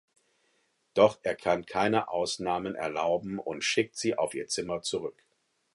Doch der kann keine Ausnahmen erlauben und schickt sie auf ihr Zimmer zurück.